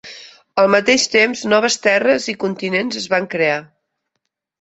Al mateix temps, noves terres i continents es van crear.